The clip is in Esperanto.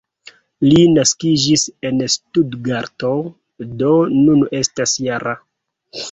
Li naskiĝis en Stutgarto, do nun estas -jara.